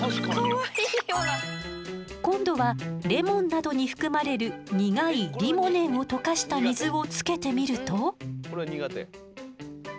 今度はレモンなどに含まれる苦いリモネンを溶かした水をつけてみると。